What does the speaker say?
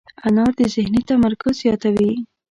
انار د ذهني تمرکز زیاتوي.